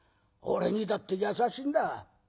俺にだって優しいんだ。